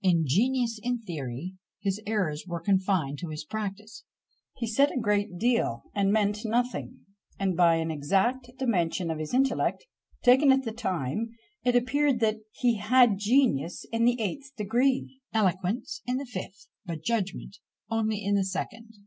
Ingenious in theory, his errors were confined to his practice: he said a great deal and meant nothing; and by an exact dimension of his intellect, taken at the time, it appeared that "he had genius in the eighth degree, eloquence in the fifth, but judgment only in the second!"